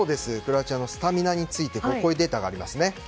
クロアチアのスタミナについてこんなデータがあります。